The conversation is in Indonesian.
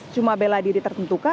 cuma beladiri tertentu kah